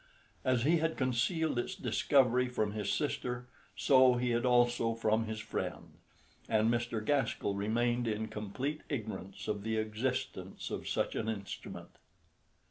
As he had concealed its discovery from his sister, so he had also from his friend, and Mr. Gaskell remained in complete ignorance of the existence of such an instrument.